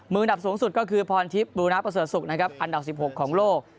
มือดับสูงสุดก็คือพรทิพย์บรูนัทประเสริฐสุขอันดับ๑๖ของโลก